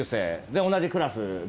で同じクラス。